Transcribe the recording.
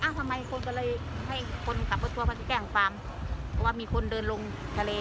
ทำงานหาว่าความขอเกลินต้ืมหาว่ามีคนเดินลงทะเล